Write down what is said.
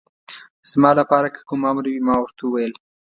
زما لپاره که کوم امر وي، ما ورته وویل.